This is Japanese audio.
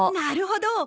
なるほど！